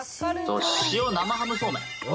塩生ハムそうめん。